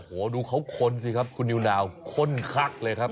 โอ้โหดูเขาคนสิครับคุณนิวนาวคนคักเลยครับ